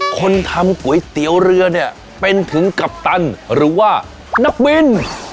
คนทำก๋วยเตี๋ยวเรือเนี่ยเป็นถึงกัปตันหรือว่านักบิน